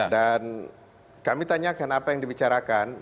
dan kami tanyakan apa yang dibicarakan